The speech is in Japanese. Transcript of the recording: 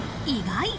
意外！